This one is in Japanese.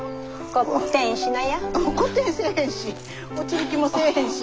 コッテンせえへんし落ちる気もせえへんし。